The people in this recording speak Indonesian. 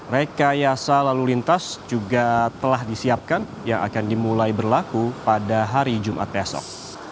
rekayasa lalu lintas juga telah disiapkan yang akan dimulai berlaku pada hari jumat besok